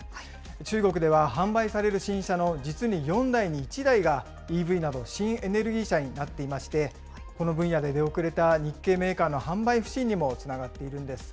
中国では、販売される新車の実に４台に１台がＥＶなど新エネルギー車になっていまして、この分野で出遅れた日系メーカーの販売不振にもつながっているんです。